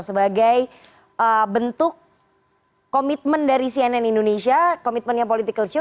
sebagai bentuk komitmen dari cnn indonesia komitmennya political show